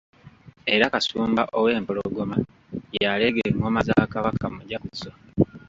Era Kasumba owempologoma y'aleega engoma za Kabaka, Mujaguzo.